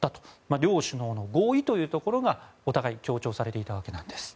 両首脳の合意というところがお互い強調されていたわけなんです。